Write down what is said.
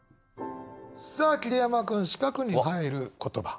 さあ桐山君四角に入る言葉。